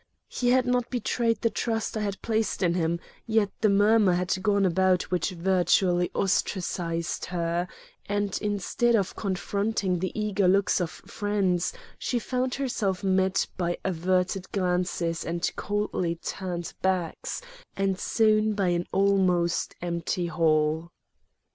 He had not betrayed the trust I had placed in him, yet the murmur had gone about which virtually ostracized her, and instead of confronting the eager looks of friends, she found herself met by averted glances and coldly turned backs, and soon by an almost empty hall.